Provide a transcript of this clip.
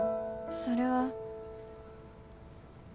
それは